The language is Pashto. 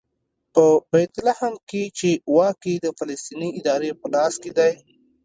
په بیت لحم کې چې واک یې د فلسطیني ادارې په لاس کې دی.